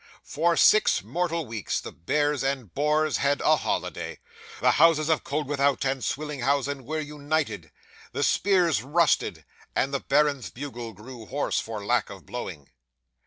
'For six mortal weeks, the bears and boars had a holiday. The houses of Koeldwethout and Swillenhausen were united; the spears rusted; and the baron's bugle grew hoarse for lack of blowing.